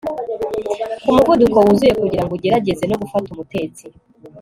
ku muvuduko wuzuye kugirango ugerageze no gufata umutetsi